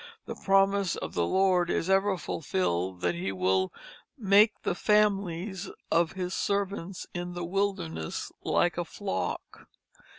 The promise of the Lord is ever fulfilled that he will "make the families of his servants in the wilderness like a flock."